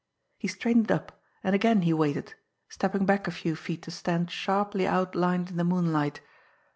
He straightened up and again he waited stepping back a few feet to stand sharply outlined in the moonlight.